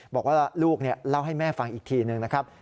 บอกว่าลูกเล่าให้แม่ฟังอีกทีหนึ่งนะครับ